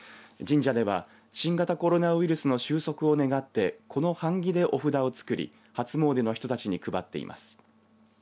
神社では新型コロナウイルスの収束を願ってこの版木でお札を作り初詣の人たちに配っています。